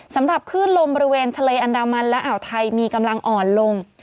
สำหรับคลื่นลมบริเวณทะเลอันดามันและอ่าวไทยมีกำลังอ่อนลง